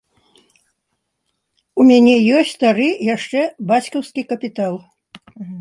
У мяне ёсць стары, яшчэ бацькаўскі, капітал.